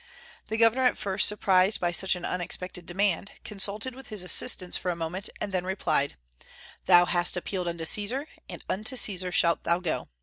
The governor, at first surprised by such an unexpected demand, consulted with his assistants for a moment, and then replied: "Thou hast appealed unto Caesar, and unto Caesar shalt thou go."